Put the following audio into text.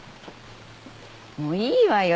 もういいわよ